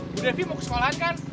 bu devi mau keskolan kan